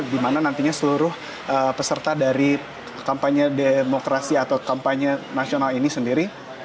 di mana nantinya seluruh peserta dari kampanye demokrasi atau kampanye nasional ini sendiri